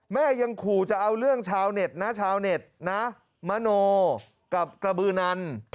แม่ยังขู่จะเอาเรื่องชาวเน็ตนะชาวเน็ตนะมโนกับกระบือนัน